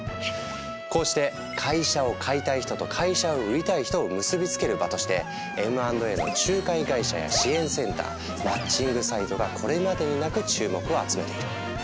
こうして「会社を買いたい人」と「会社を売りたい人」を結び付ける場としてＭ＆Ａの仲介会社や支援センターマッチングサイトがこれまでになく注目を集めている。